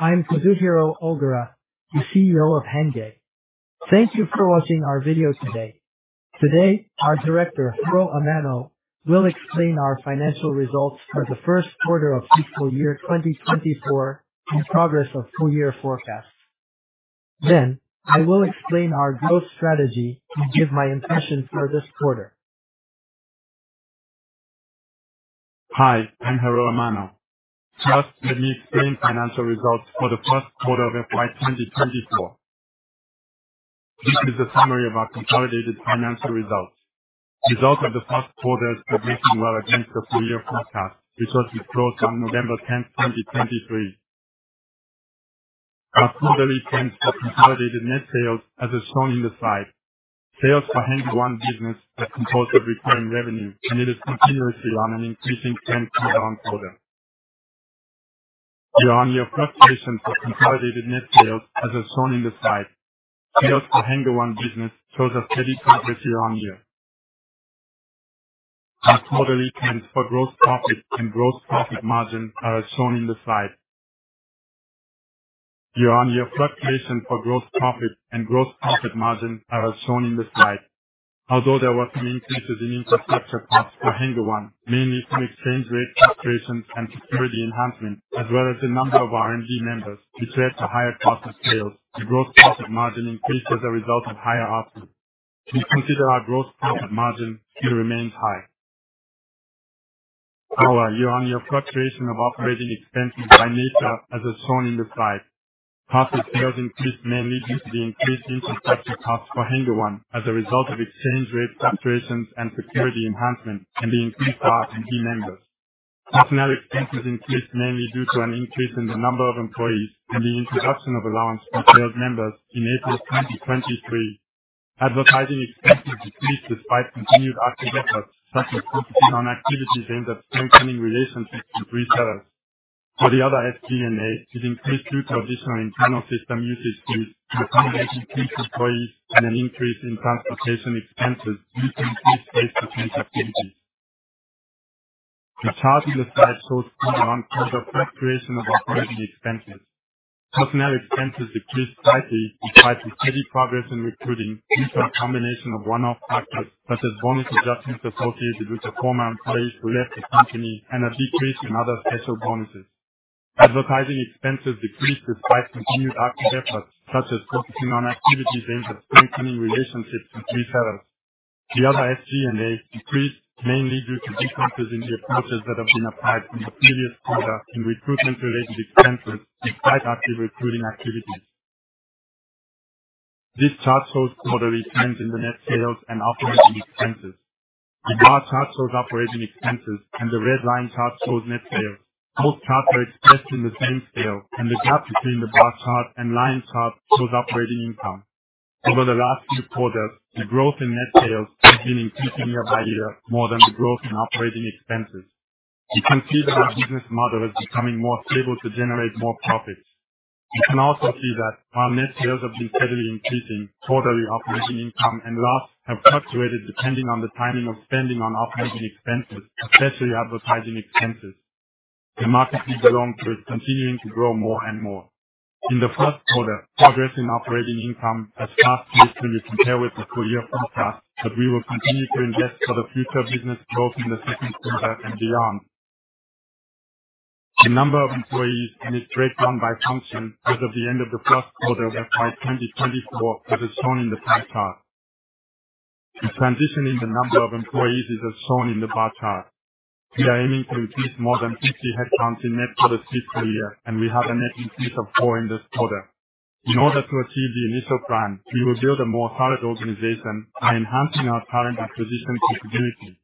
I'm Kazuhiro Ogura, the CEO of HENNGE. Thank you for watching our video today. Today, our Director, Haruo Amano, will explain our financial results for the first quarter of fiscal year 2024 and progress of full-year forecasts. Then I will explain our growth strategy and give my impression for this quarter. Hi, I'm Haruo Amano. First, let me explain financial results for the first quarter of FY 2024. This is the summary of our consolidated financial results. Results of the first quarter: progressing well against the full-year forecast, which was withdrawn on November 10, 2023. Our quarterly trends for consolidated net sales, as is shown in the slide. Sales for HENNGE One business are composed of recurring revenue, and it is continuously on an increasing trend quarter-over-quarter. Year-on-year fluctuations for consolidated net sales, as is shown in the slide. Sales for HENNGE One business shows a steady progress year-on-year. Our quarterly trends for gross profit and gross profit margin are, as shown in the slide. Year-on-year fluctuations for gross profit and gross profit margin are, as shown in the slide. Although there were some increases in infrastructure costs for HENNGE One, mainly from exchange rate fluctuations and security enhancement, as well as the number of R&D members which led to higher cost of sales, the gross profit margin increased as a result of higher ARPU. We consider our gross profit margin still remains high. Our year-on-year fluctuation of operating expenses by nature, as is shown in the slide. Cost of sales increased mainly due to the increased infrastructure costs for HENNGE One, as a result of exchange rate fluctuations and security enhancement, and the increased R&D members. Personnel expenses increased mainly due to an increase in the number of employees and the introduction of allowance for sales members in April 2023. Advertising expenses decreased despite continued active efforts, such as focusing on activities aimed at strengthening relationships with resellers. For the other SG&A, it increased due to additional internal system usage fees, consolidating increased employees, and an increase in transportation expenses due to increased face-to-face activities. The chart in the slide shows quarter-on-quarter fluctuation of operating expenses. Personnel expenses decreased slightly despite a steady progress in recruiting, due to a combination of one-off factors such as bonus adjustments associated with the former employees who left the company, and a decrease in other special bonuses. Advertising expenses decreased despite continued active efforts, such as focusing on activities aimed at strengthening relationships with resellers. The other SG&A decreased mainly due to differences in the approaches that have been applied from the previous quarter in recruitment-related expenses, despite active recruiting activities. This chart shows quarterly trends in the net sales and operating expenses. The bar chart shows operating expenses, and the red line chart shows net sales. Both charts are expressed in the same scale, and the gap between the bar chart and line chart shows operating income. Over the last few quarters, the growth in net sales has been increasing year by year more than the growth in operating expenses. We can see that our business model is becoming more stable to generate more profits. We can also see that, while net sales have been steadily increasing, quarterly operating income and loss have fluctuated depending on the timing of spending on operating expenses, especially advertising expenses. The market needs long-term continuing to grow more and more. In the first quarter, progress in operating income has fast-paced when you compare with the full-year forecast, but we will continue to invest for the future business growth in the second quarter and beyond. The number of employees and its breakdown by function as of the end of the first quarter of FY 2024, as is shown in the pie chart. The transition in the number of employees is, as shown in the bar chart. We are aiming to increase more than 50 headcounts in net quarters fiscal year, and we have a net increase of four in this quarter. In order to achieve the initial plan, we will build a more solid organization by enhancing our talent acquisition continuity.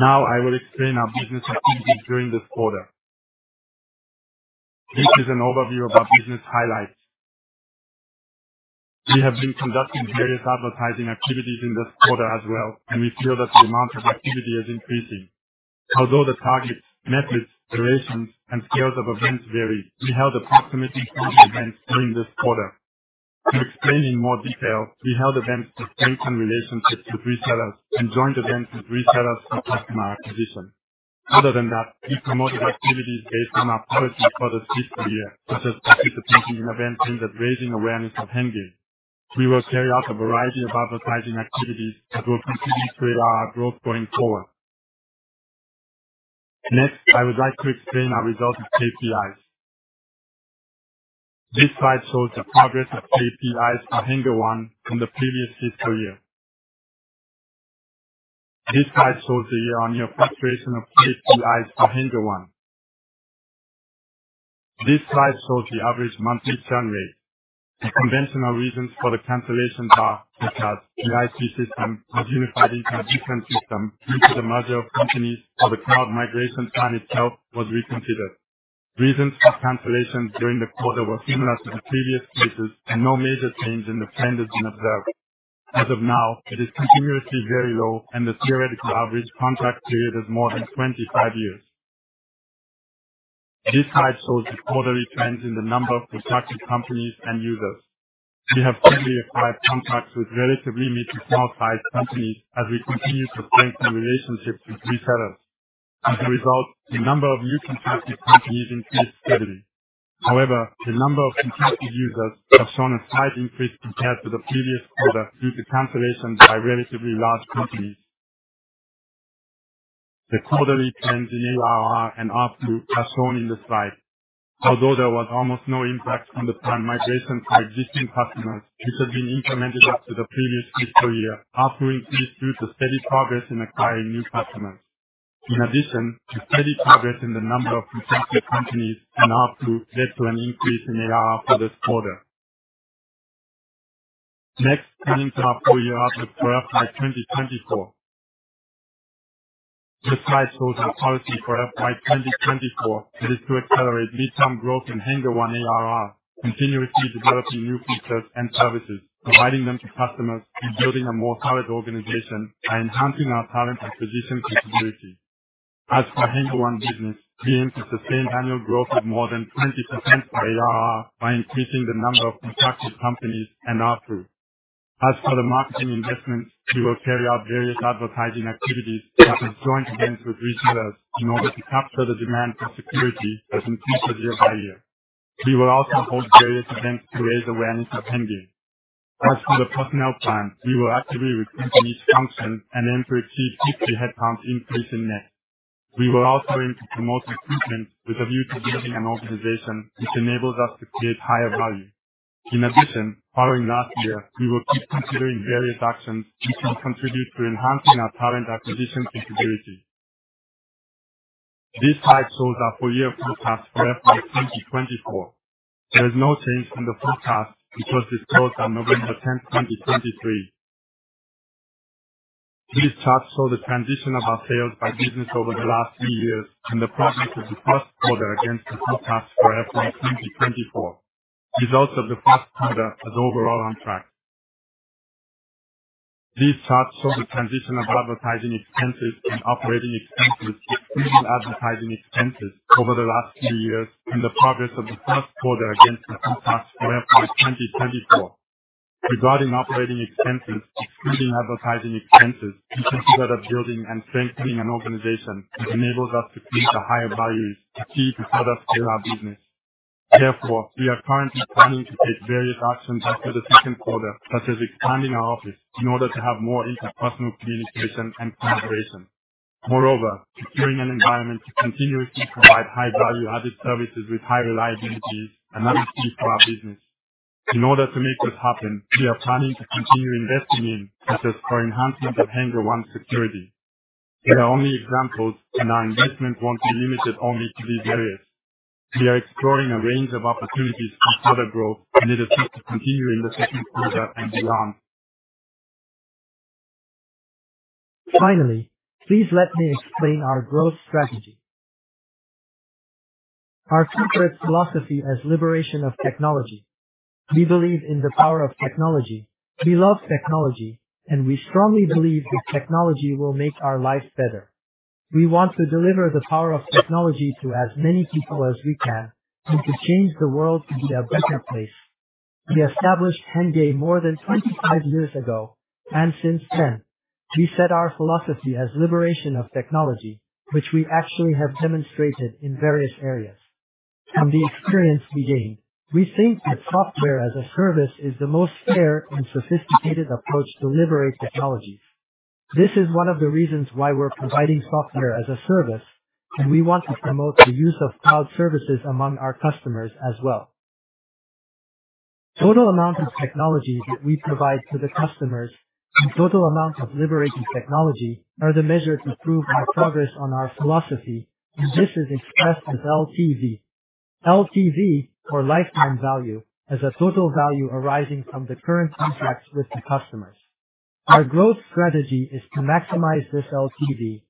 Now I will explain our business activities during this quarter. This is an overview of our business highlights. We have been conducting various advertising activities in this quarter as well, and we feel that the amount of activity is increasing. Although the targets, methods, durations, and scales of events vary, we held approximately 40 events during this quarter. To explain in more detail, we held events to strengthen relationships with resellers and joined events with resellers for customer acquisition. Other than that, we promoted activities based on our policies for this fiscal year, such as participating in events aimed at raising awareness of HENNGE. We will carry out a variety of advertising activities that will continue to accelerate our growth going forward. Next, I would like to explain our results of KPIs. This slide shows the progress of KPIs for HENNGE One from the previous fiscal year. This slide shows the year-on-year fluctuation of KPIs for HENNGE One. This slide shows the average monthly churn rate. The conventional reasons for the cancellation bar, because the IT system was unified into a different system due to the merger of companies, or the cloud migration plan itself was reconsidered. Reasons for cancellations during the quarter were similar to the previous cases, and no major change in the trend has been observed. As of now, it is continuously very low, and the theoretical average contract period is more than 25 years. This slide shows the quarterly trends in the number of contracted companies and users. We have steadily acquired contracts with relatively mid- to small-sized companies as we continue to strengthen relationships with resellers. As a result, the number of new contracted companies increased steadily. However, the number of contracted users has shown a slight increase compared to the previous quarter due to cancellations by relatively large companies. The quarterly trends in ARR and ARPU are shown in the slide. Although there was almost no impact from the plan migration for existing customers, which had been implemented up to the previous fiscal year, ARPU increased due to steady progress in acquiring new customers. In addition, the steady progress in the number of contracted companies and ARPU led to an increase in ARR for this quarter. Next, turning to our full-year outlook for FY 2024. This slide shows our policy for FY 2024 that is to accelerate mid-term growth in HENNGE One ARR, continuously developing new features and services, providing them to customers, and building a more solid organization by enhancing our talent acquisition continuity. As for HENNGE One business, we aim to sustain annual growth of more than 20% for ARR by increasing the number of contracted companies and ARPU. As for the marketing investments, we will carry out various advertising activities, such as joint events with resellers, in order to capture the demand for security that increases year by year. We will also hold various events to raise awareness of HENNGE. As for the personnel plan, we will actively recruit in each function and aim to achieve 50 headcount increase in net. We will also aim to promote recruitment with a view to building an organization which enables us to create higher value. In addition, following last year, we will keep considering various actions which can contribute to enhancing our talent acquisition continuity. This slide shows our full-year forecast for FY 2024. There is no change in the forecast because this closed on November 10, 2023. This chart shows the transition of our sales by business over the last three years and the progress of the first quarter against the forecast for FY 2024. Results of the first quarter are overall on track. This chart shows the transition of advertising expenses and operating expenses, excluding advertising expenses, over the last three years and the progress of the first quarter against the forecast for FY 2024. Regarding operating expenses, excluding advertising expenses, we consider that building and strengthening an organization that enables us to create a higher value is a key to further scale our business. Therefore, we are currently planning to take various actions after the second quarter, such as expanding our office in order to have more interpersonal communication and collaboration. Moreover, securing an environment to continuously provide high-value-added services with high reliability is another key for our business. In order to make this happen, we are planning to continue investing in, such as for enhancement of HENNGE One's security. These are only examples, and our investment won't be limited only to these areas. We are exploring a range of opportunities for further growth, and it assists to continue in the second quarter and beyond. Finally, please let me explain our growth strategy. Our corporate philosophy is "Liberation of Technology". We believe in the power of technology, we love technology, and we strongly believe that technology will make our lives better. We want to deliver the power of technology to as many people as we can and to change the world to be a better place. We established HENNGE more than 25 years ago, and since then, we set our philosophy as "Liberation of Technology", which we actually have demonstrated in various areas. From the experience we gained, we think that software as a service is the most fair and sophisticated approach to liberate technologies. This is one of the reasons why we're providing software as a service, and we want to promote the use of cloud services among our customers as well. Total amount of technology that we provide to the customers and total amount of liberated technology are the measure to prove our progress on our philosophy, and this is expressed as LTV. LTV, or Lifetime Value, is a total value arising from the current contracts with the customers. Our growth strategy is to maximize this LTV.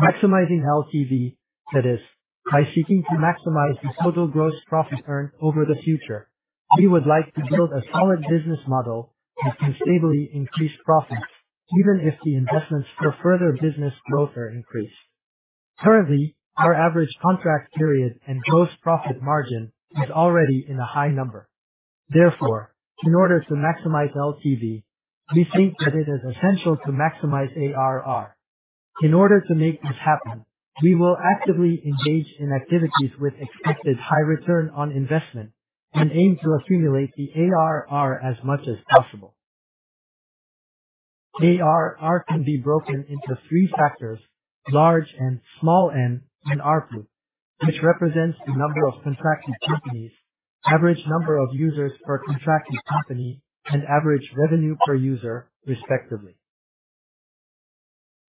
Maximizing LTV, that is, by seeking to maximize the total gross profit earned over the future, we would like to build a solid business model that can stably increase profits even if the investments for further business growth are increased. Currently, our average contract period and gross profit margin is already in a high number. Therefore, in order to maximize LTV, we think that it is essential to maximize ARR. In order to make this happen, we will actively engage in activities with expected high return on investment and aim to accumulate the ARR as much as possible. ARR can be broken into three factors: large N, small n, ARPU, which represents the number of contracted companies, average number of users per contracted company, and average revenue per user, respectively.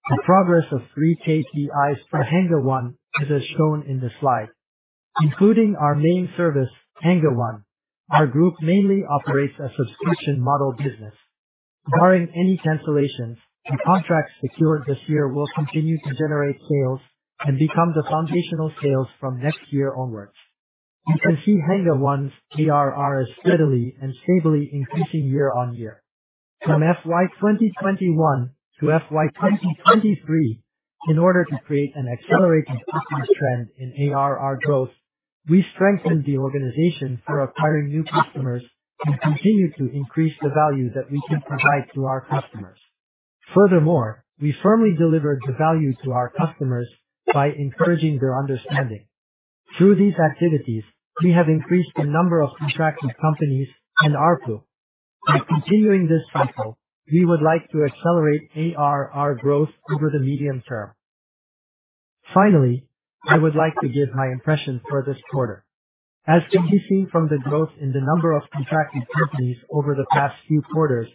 The progress of three KPIs for HENNGE One is, as shown in the slide. Including our main service, HENNGE One, our group mainly operates a subscription model business. Barring any cancellations, the contracts secured this year will continue to generate sales and become the foundational sales from next year onwards. You can see HENNGE One's ARR is steadily and stably increasing year-over-year. From FY 2021 to FY 2023, in order to create an accelerated upward trend in ARR growth, we strengthened the organization through acquiring new customers and continued to increase the value that we can provide to our customers. Furthermore, we firmly delivered the value to our customers by encouraging their understanding. Through these activities, we have increased the number of contracted companies and ARPU. By continuing this cycle, we would like to accelerate ARR growth over the medium term. Finally, I would like to give my impressions for this quarter. As can be seen from the growth in the number of contracted companies over the past few quarters,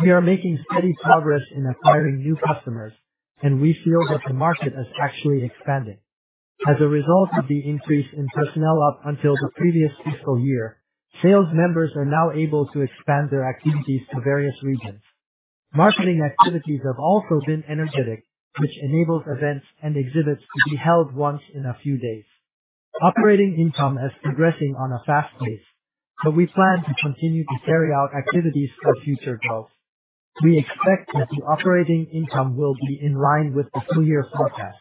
we are making steady progress in acquiring new customers, and we feel that the market is actually expanding. As a result of the increase in personnel up until the previous fiscal year, sales members are now able to expand their activities to various regions. Marketing activities have also been energetic, which enables events and exhibits to be held once in a few days. Operating income is progressing at a fast pace, but we plan to continue to carry out activities for future growth. We expect that the operating income will be in line with the full-year forecast.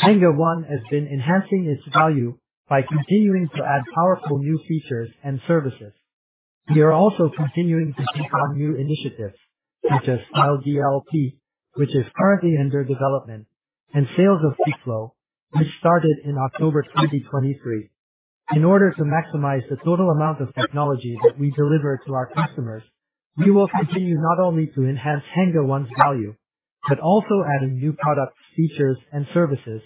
HENNGE One has been enhancing its value by continuing to add powerful new features and services. We are also continuing to take on new initiatives, such as File DLP, which is currently under development, and sales of kickflow, which started in October 2023. In order to maximize the total amount of technology that we deliver to our customers, we will continue not only to enhance HENNGE One's value but also adding new products, features, and services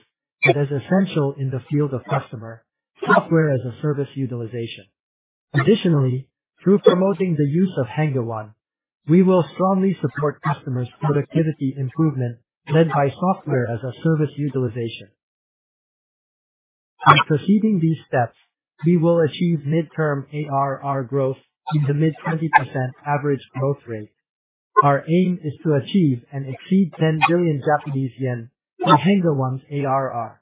that are essential in the field of customer software as a service utilization. Additionally, through promoting the use of HENNGE One, we will strongly support customers' productivity improvement led by software as a service utilization. By proceeding these steps, we will achieve mid-term ARR growth in the mid-20% average growth rate. Our aim is to achieve and exceed 10 billion Japanese yen for HENNGE One's ARR.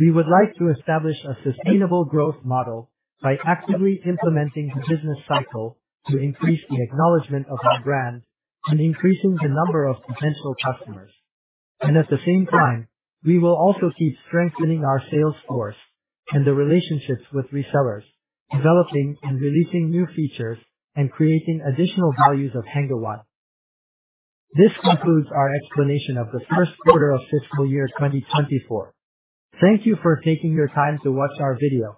We would like to establish a sustainable growth model by actively implementing the business cycle to increase the acknowledgment of our brand and increasing the number of potential customers. At the same time, we will also keep strengthening our sales force and the relationships with resellers, developing and releasing new features, and creating additional values of HENNGE One. This concludes our explanation of the first quarter of fiscal year 2024. Thank you for taking your time to watch our video.